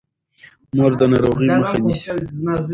مور د ناروغۍ مخه نیسي.